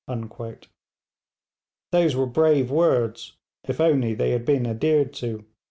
Those were brave words, if only they had been adhered to.